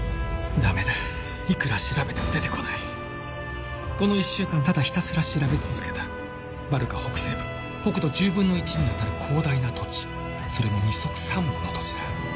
ダメだいくら調べても出てこないこの一週間ただひたすら調べ続けたバルカ北西部国土１０分の１にあたる広大な土地それも二束三文の土地だ